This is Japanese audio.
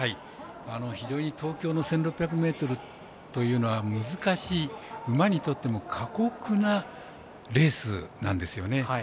非常に東京の１６００ｍというのは難しい、馬にとっても過酷なレースなんですよね。